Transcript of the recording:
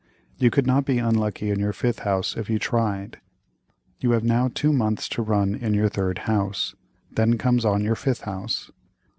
You could not be unlucky in your fifth house if you tried. You have now two months to run in your third house, then comes on your fifth house.